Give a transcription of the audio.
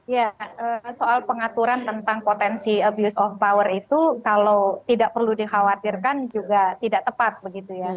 ya soal pengaturan tentang potensi abuse of power itu kalau tidak perlu dikhawatirkan juga tidak tepat begitu ya